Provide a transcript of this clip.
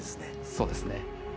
そうですね。